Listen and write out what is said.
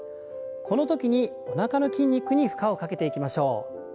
このときにおなかの筋肉に負荷をかけていきましょう。